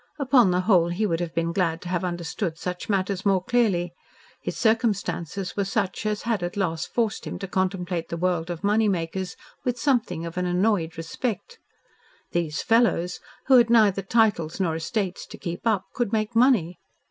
Upon the whole he would have been glad to have understood such matters more clearly. His circumstances were such as had at last forced him to contemplate the world of money makers with something of an annoyed respect. "These fellows" who had neither titles nor estates to keep up could make money.